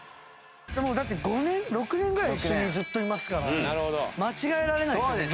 もうだって５年６年ぐらい一緒にずっといますから間違えられないですよね